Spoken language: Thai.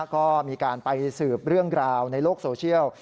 ก็มีการไปสืบเรื่องราวในโลกโซเชียล